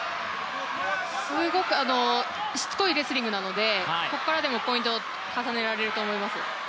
すごくしつこいレスリングなので、ここらかでもポイントは重ねられると思います。